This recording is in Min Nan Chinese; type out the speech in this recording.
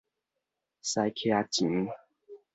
私奇錢